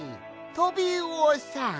トビウオさん。